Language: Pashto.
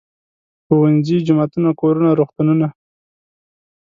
ښوونځي، جوماتونه، کورونه، روغتونونه.